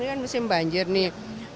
ini kan musim banjir nih